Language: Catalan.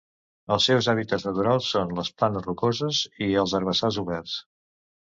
Els seus hàbitats naturals són les planes rocoses i els herbassars oberts.